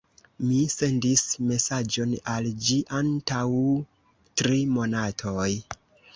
Mi sendis mesaĝon al ĝi antaŭ tri monatoj.